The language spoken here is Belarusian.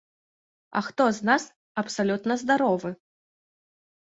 А хто з нас абсалютна здаровы?